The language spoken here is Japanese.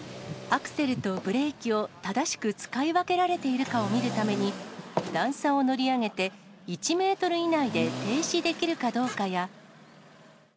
アクセルとブレーキを正しく使い分けられているかを見るために、段差を乗り上げて、１メートル以内で停止できるかどうかや。